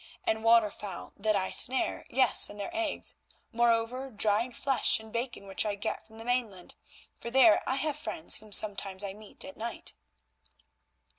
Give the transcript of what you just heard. And water fowl that I snare, yes, and their eggs; moreover, dried flesh and bacon which I get from the mainland, for there I have friends whom sometimes I meet at night."